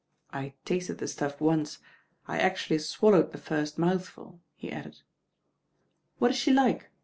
I tasted the stuff once, I actually swallowed the first mouth ful," he added. "What is she like?"